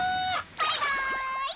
バイバイ。